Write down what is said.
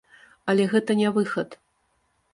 Але гэта не выхад.